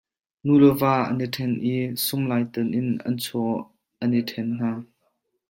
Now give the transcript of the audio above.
Nu le va an i ṭhen i sumlaitan in an chaw an i ṭhen hna.